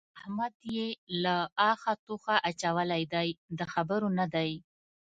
احمد يې له اخه توخه اچولی دی؛ د خبرو نه دی.